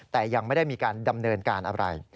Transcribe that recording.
แต่ยังไม่ได้มีการดำเนินการอะไร